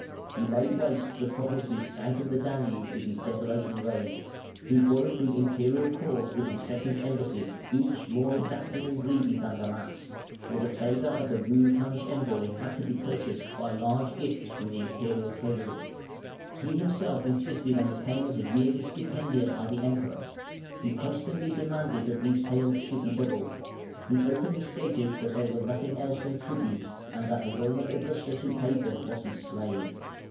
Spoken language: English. He laid waste the provinces south of the Danube with his desolating raids; he worried the Imperial Court with incessant embassies, each more exacting and greedy than the last (for the favour of the rude Hunnish envoy had to be purchased by large gifts from the Imperial Treasury); he himself insisted on the payment of yearly stipendia by the Emperor; he constantly demanded that these payments should be doubled; he openly stated that they were nothing else than tribute, and that the Roman Augustus who paid them was his slave.